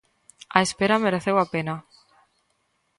A espera mereceu a pena.